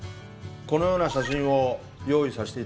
このような写真を用意させて頂きました。